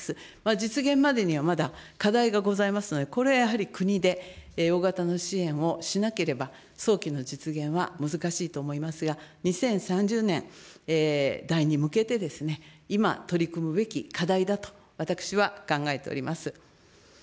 実現までにはまだ課題がございますので、これはやはり国で、大型の支援をしなければ、早期の実現は難しいと思いますが、２０３０年台に向けてですね、今、取り組むべき課題だと私は考えております。